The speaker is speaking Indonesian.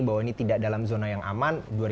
bahwa ini tidak dalam zona yang aman